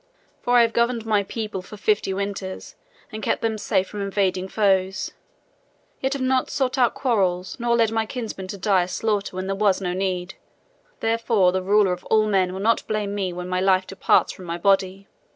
For I have governed my people for fifty winters and kept them safe from invading foes; yet have not sought out quarrels nor led my kinsmen to dire slaughter when there was no need. Therefore the Ruler of all men will not blame me when my life departs from my body.